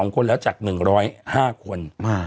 ๒คนแล้วจาก๑๐๕คน